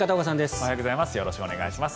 おはようございます。